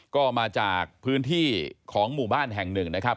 ก็มาจากพื้นที่ของหมู่บ้านแห่งหนึ่งนะครับ